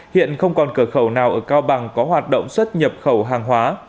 hiện không còn cửa khẩu nào ở cao bằng có hoạt động xuất nhập khẩu hàng hóa